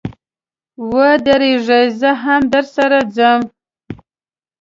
و درېږئ، زه هم درسره ځم.